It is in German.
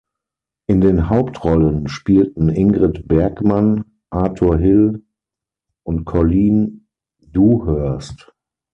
In den Hauptrollen spielten Ingrid Bergman, Arthur Hill und Colleen Dewhurst.